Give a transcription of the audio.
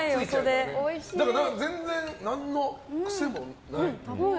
全然何の癖もない。